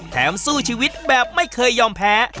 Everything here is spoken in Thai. สู้ชีวิตแบบไม่เคยยอมแพ้